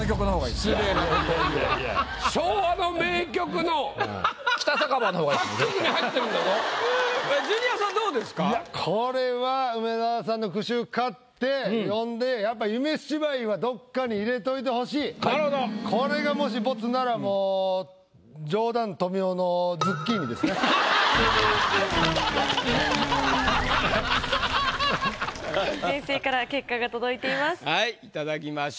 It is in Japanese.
いやこれはもし先生から結果が届いています。